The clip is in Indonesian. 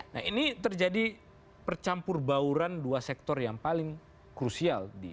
nah ini terjadi percampur bauran dua sektor yang paling krusial